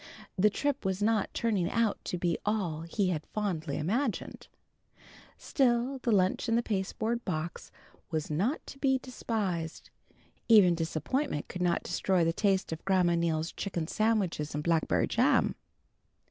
The trip was not turning out to be all he had fondly imagined. Still the lunch in the pasteboard box was not to be despised. Even disappointment could not destroy the taste of Grandma Neal's chicken sandwiches and blackberry jam.